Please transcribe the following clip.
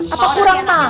apa kurang enak